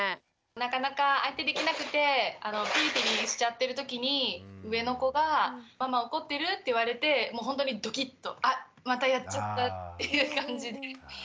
なかなか相手できなくてピリピリしちゃってるときに上の子が「ママ怒ってる？」って言われてほんとにドキッと「あまたやっちゃった」っていう感じで。